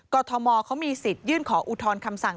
ทมเขามีสิทธิ์ยื่นขออุทธรณ์คำสั่ง